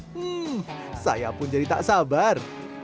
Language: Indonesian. hmm saya pun jadi tak sabar